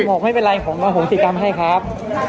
บอกไม่เป็นไรผมอโหสิกรรมให้ครับ